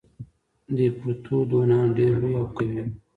ديپروتودونان ډېر لوی او قوي وو.